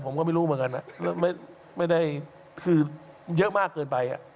ผมก็ไม่รู้เหมือนกันนะไม่ได้คือเยอะมากเกินไป